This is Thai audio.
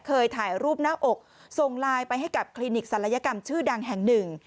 ถ่ายรูปหน้าอกส่งไลน์ไปให้กับคลินิกศัลยกรรมชื่อดังแห่งหนึ่ง